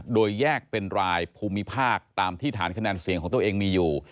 โดยแยกเป็นรายภูมิภาคตามที่ฐานคะแนนเสียงของตัวเองมีอยู่